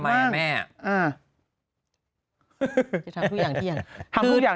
จะทำทุกอย่างที่อย่าง